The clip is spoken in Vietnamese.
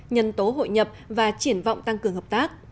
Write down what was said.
nhân tố hội nhập và triển vọng tăng cường hợp tác